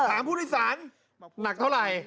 ถามผู้โดยสารหนักเท่าไหร่